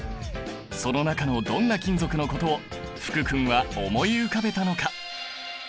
その中のどんな金属のことを福君は思い浮かべたのか。